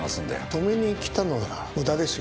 止めに来たのなら無駄ですよ。